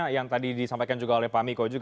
yang tadi disampaikan juga oleh pak miko juga